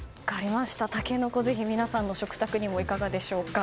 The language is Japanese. タケノコをぜひ皆さんの食卓にもいかがでしょうか。